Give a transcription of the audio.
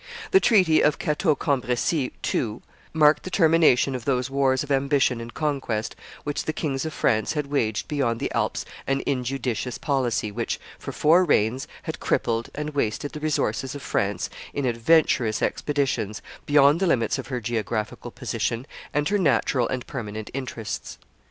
The treaty of Cateau Cambresis, too, marked the termination of those wars of ambition and conquest which the Kings of France had waged beyond the Alps an injudicious policy, which, for four reigns, had crippled and wasted the resources of France in adventurous expeditions, beyond the limits of her geographical position and her natural and permanent interests.